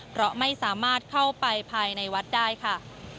เพราะไม่สามารถเข้าไปภายในวัดได้ค่ะ